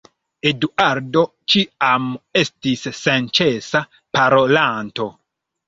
Eduardo ĉiam estis senĉesa parolanto.